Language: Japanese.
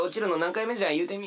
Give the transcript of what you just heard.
いうてみ。